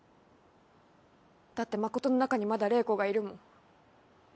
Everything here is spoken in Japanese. だって誠の中にまだ怜子がいるもん。